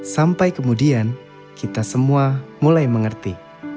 sampai kemudian kita semua mulai mengerti